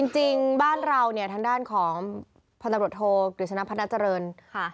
จริงบ้านเราทางด้านของพตำรวจโทกหรือชพนจริง